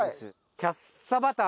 キャッサバター！